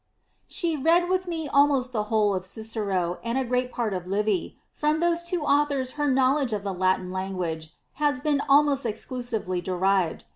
^^ She read with me almost the whole of Cicero, and a great part of Livy : from those two ^uthore her knowledge of the Latin language has been almost exclusively derived.